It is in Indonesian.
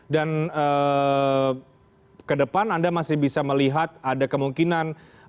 dan ke depan anda masih bisa melihat ada kemungkinan